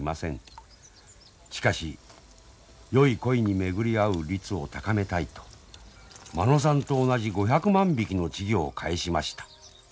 しかしよい鯉に巡り合う率を高めたいと間野さんと同じ５００万匹の稚魚をかえしました。